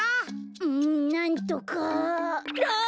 うんなんとかああ！